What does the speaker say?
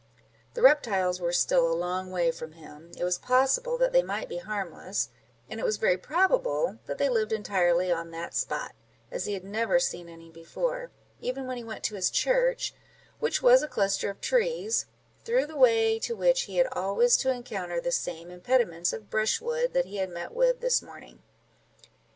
The reptiles were still a long way from him; it was possible that they might be harmless, and it was very probable that they lived entirely on that spot, as he never had seen any before, even when he went to his church, which was a cluster of trees, through the way to which he had always to encounter the same impediments of brushwood that he had met with this morning.